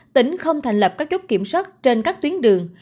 tỉnh không thành lập các chốt kiểm soát trên các tuyến đường